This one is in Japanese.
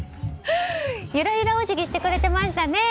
ゆらゆらお辞儀をしてくれてましたね。